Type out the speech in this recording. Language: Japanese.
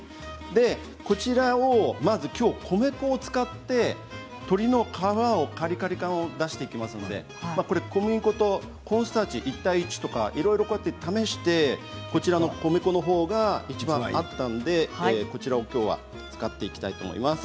こちらをまず米粉を使って鶏の皮のカリカリ感を出していきますので小麦粉とコーンスターチ１対１とか、いろいろ試してこちらの米粉の方がいちばん合ったのでこれを使っていきたいと思います。